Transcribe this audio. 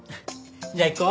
じゃあ行こう。